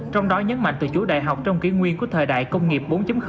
trong đó nhấn mạnh từ chủ đại học trong kỷ nguyên của thời đại công nghiệp bốn